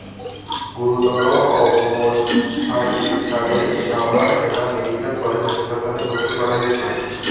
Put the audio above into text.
গুরুতর অবস্থায় তাঁদের সাভার এনাম মেডিকেল কলেজ হাসপাতালে ভর্তি করা হয়েছে।